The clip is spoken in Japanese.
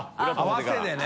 合わせでね。